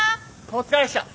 ・お疲れっした。